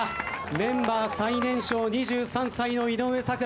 メンバー最年少２３歳の井上咲楽です。